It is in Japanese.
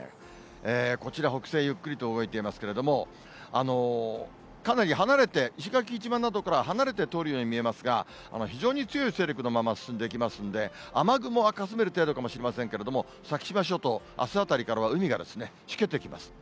こちら、北西、ゆっくりと動いていますけれども、かなり離れて、石垣島などからは離れて通るように見えますが、非常に強い勢力のまま進んでいきますので、雨雲はかすめる程度かもしれませんけれども、先島諸島、あすあたりからは海がしけてきます。